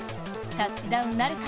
タッチダウンなるか？